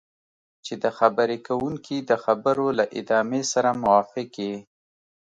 چې د خبرې کوونکي د خبرو له ادامې سره موافق یې.